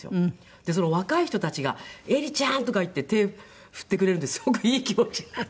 でその若い人たちが「えりちゃん！」とかいって手振ってくれるんですごくいい気持ちになっちゃって。